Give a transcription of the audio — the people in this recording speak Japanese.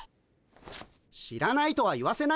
知らないとは言わせないよ。